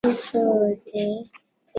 千千松幸子是日本的女性声优。